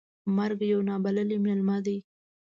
مرګ یو نا بللی میلمه ده .